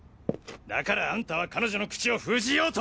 だからあんたは彼女の口を封じようと！